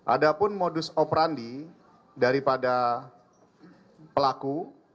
ada pun modus operandi daripada pelaku